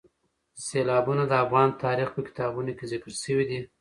سیلابونه د افغان تاریخ په کتابونو کې ذکر شوي دي.